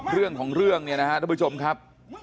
เรื่องของเรื่องทุกผู้ชมครับ